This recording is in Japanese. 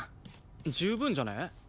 十分じゃね？